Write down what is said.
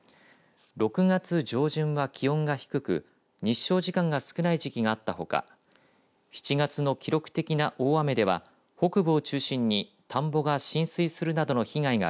６月上旬は気温が低く日照時間が少ない時期があったほか７月の記録的な大雨では北部を中心に田んぼが浸水するなどの被害が